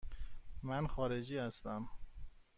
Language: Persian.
من خارجی هستم.